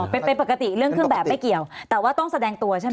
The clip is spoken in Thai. เป็นเป็นปกติเรื่องเครื่องแบบไม่เกี่ยวแต่ว่าต้องแสดงตัวใช่ไหม